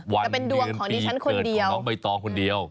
วันเดือนปีเกิดของน้องใบตองคนเดียว